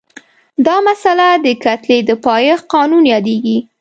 دا مسئله د کتلې د پایښت قانون یادیږي.